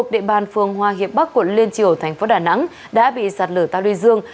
đoàn phường hoa hiệp bắc của liên triều thành phố đà nẵng đã bị sạt lửa tà lươi dương